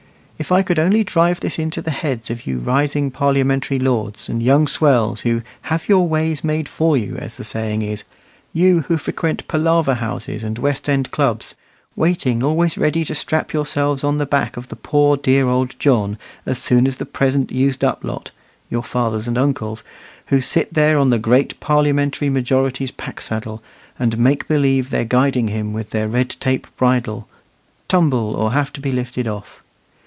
If I could only drive this into the heads of you rising parliamentary lords, and young swells who "have your ways made for you," as the saying is, you, who frequent palaver houses and West end clubs, waiting always ready to strap yourselves on to the back of poor dear old John, as soon as the present used up lot (your fathers and uncles), who sit there on the great parliamentary majorities' pack saddle, and make believe they're guiding him with their red tape bridle, tumble, or have to be lifted off!